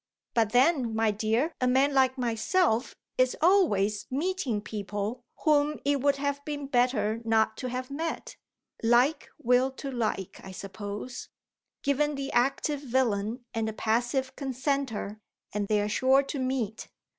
"But then, my dear, a man like myself is always meeting people whom it would have been better not to have met. Like will to like, I suppose. Given the active villain and the passive consenter, and they are sure to meet.